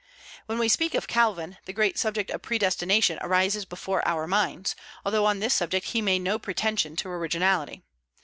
When we speak of Calvin, the great subject of Predestination arises before our minds, although on this subject he made no pretention to originality.